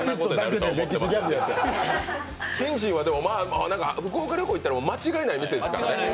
ＳｈｉｎＳｈｉｎは福岡旅行行ったら間違いない店ですからね。